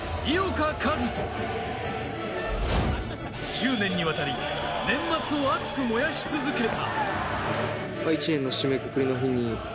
１０年にわたり年末を熱く燃やし続けた。